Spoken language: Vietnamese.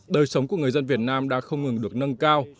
đời sống của người dân việt nam đã không ngừng được nâng cao